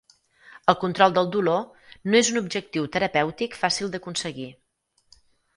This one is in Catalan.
El control del dolor no és un objectiu terapèutic fàcil d'aconseguir.